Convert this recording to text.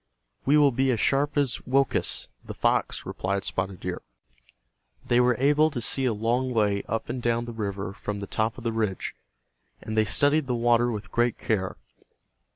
"We will be as sharp as Woakus, the fox," replied Spotted Deer. They were able to see a long way up and down the river from the top of the ridge, and they studied the water with great care.